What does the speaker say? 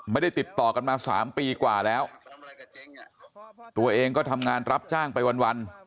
ไม่ได้ติดต่อกันมาสามปีกว่าแล้วตัวเองก็ทำงานรับจ้างไปวัน